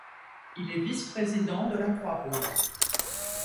Il est vice-président de la Croix-Rouge.